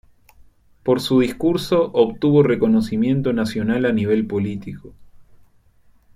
Por su discurso obtuvo reconocimiento nacional a nivel político.